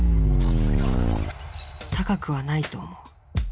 高くはないと思う。